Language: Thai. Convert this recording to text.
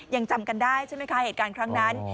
ยังจำกันได้ใช่ไหมคะเหตุการณ์ครั้งนั้น